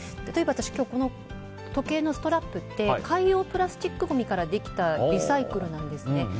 例えばこの時計のストラップって海洋プラスチックごみからできたリサイクルなんですね。